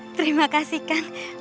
terima kasih kang